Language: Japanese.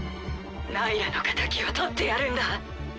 ナイラの仇を取ってやるんだ。